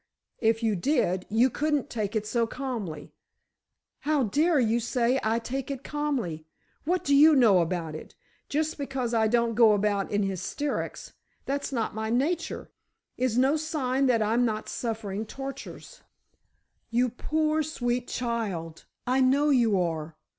"If you did, you couldn't take it so calmly——" "How dare you say I take it calmly? What do you know about it? Just because I don't go about in hysterics—that's not my nature—is no sign that I'm not suffering tortures——" "You poor, sweet child—I know you are!